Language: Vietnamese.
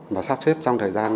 mà sắp xếp trong thời gian